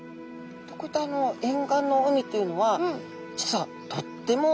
こういった沿岸の海というのは実はとっても暮らしやすいんですね。